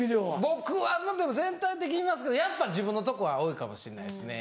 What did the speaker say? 僕は全体的に見ますけどやっぱ自分のとこは多いかもしれないですね。